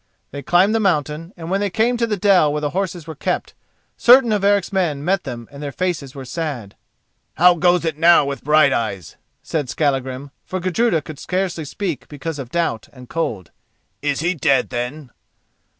They climbed the mountain, and when they came to the dell where the horses were kept, certain of Eric's men met them and their faces were sad. "How goes it now with Brighteyes?" said Skallagrim, for Gudruda could scarcely speak because of doubt and cold. "Is he dead, then?"